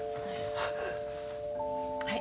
はい。